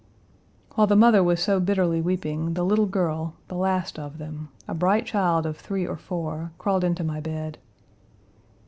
While the mother was so bitterly weeping, the little girl, the last of them, a bright child of three or four, crawled into my bed.